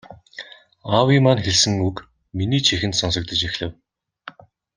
Аавын маань хэлсэн үг миний чихэнд сонсогдож эхлэв.